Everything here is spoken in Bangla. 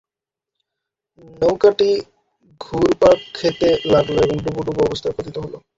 নৌকাটি ঘুরপাক খেতে লাগলো এবং ডুবুডুবু অবস্থায় পতিত হলো।